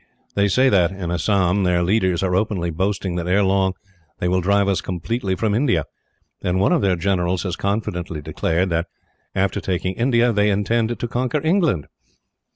They say that in Assam their leaders are openly boasting that, ere long, they will drive us completely from India; and one of their generals has confidently declared that, after taking India, they intend to conquer England.